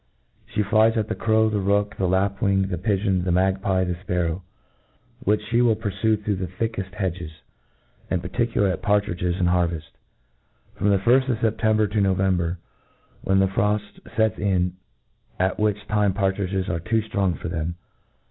She flies at the crow, the rook, the lapwing, the pigeon, the . magpy, the fparrow, which flic will purfue through the thickefl: hedges ; and par MODERN FAULCONRY. 235 ♦ particularly at partridges in harveft^ from the firft of September to November^ when the froft lets in, at which time partridges arc too ftrong for them.